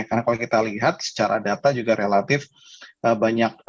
karena kalau kita lihat secara data juga relatif banyak